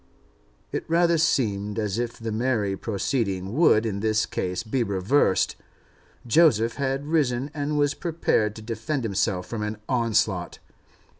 It rather seemed as if the merry proceeding would in this case be reversed; Joseph had risen, and was prepared to defend himself from an onslaught.